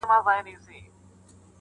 • یو پر بل به یې حملې سره کولې -